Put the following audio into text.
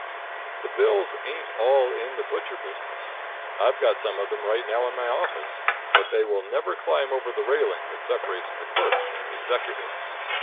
The Bills ain't all in the butcher business. I've got some of them right now in my office, but they will never climb over the railing that separates the clerks from the executives.